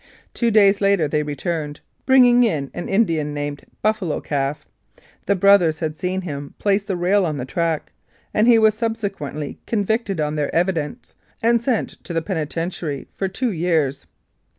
Two days later they returned, bringing in an Indian named Buffalo Calf; the brothers had seen him place the rail on the track, and he was subsequently convicted on their evidence and sent to the penitentiary for two years.